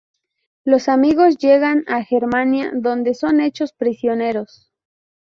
Los amigos llegan a Germania donde son hechos prisioneros.